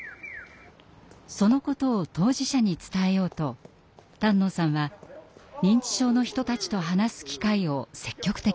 そのことを当事者に伝えようと丹野さんは認知症の人たちと話す機会を積極的に求めました。